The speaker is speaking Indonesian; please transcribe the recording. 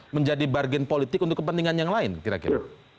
menjadi bargen politik untuk kepentingan yang lain kira kira